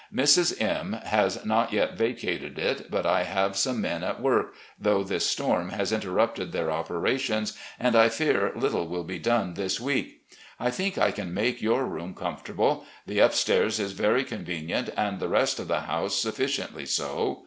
Mrs. M. has not yet vacated it, but I have some men at work, though this storm has interrupted their operations and I fear little will be done this week. I think I can make your room comfortable. The upstairs is very convenient and the rest of the house sufficiently so.